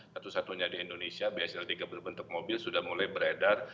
satu satunya di indonesia bsl tiga berbentuk mobil sudah mulai beredar